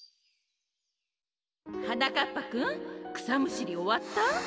はなかっぱくんくさむしりおわった？